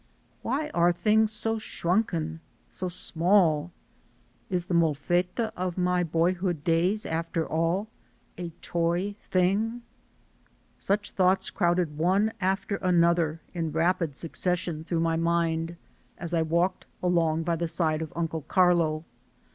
Why are things so shrunken, so small? Is the Molfetta of my boyhood days after all a toy thing ? Such thoughts crowded one after another in rapid succession through my mind as I walked along by the side of Uncle Carlo.